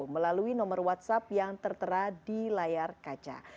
melalui nomor whatsapp yang tertera di layar kaca